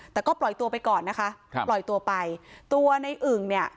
แต่ก็ปล่อยตัวไปก่อนนะคะครับปล่อยตัวไปตัวในอึ่งเนี่ย